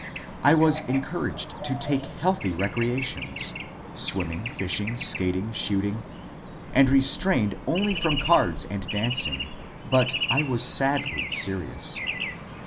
I was encouraged to take healthy recreations, — swimming, fishing, skating, shooting, — and restrained only from cards and dan cing ; but I was sadly serious.